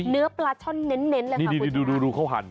เนื้อปลาช่อนเน้นเลยครับคุณค่ะดูเข้าหัน